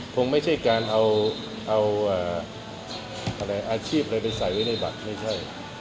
คงไม่ใช่การเอาอะไรอาชีพอะไรไปใส่ไว้ในบัตรไม่ใช่